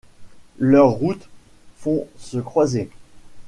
Leurs routes vont se croiser.